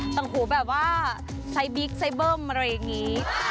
ต่างหูแบบว่าใช้บิ๊กไซเบิ้มอะไรอย่างนี้